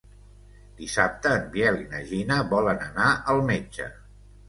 Dissabte en Biel i na Gina volen anar al metge.